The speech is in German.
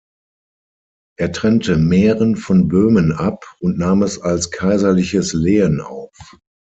Er trennte Mähren von Böhmen ab und nahm es als kaiserliches Lehen auf.